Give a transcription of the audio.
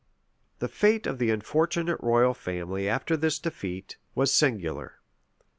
The fate of the unfortunate royal family, after this defeat, was singular.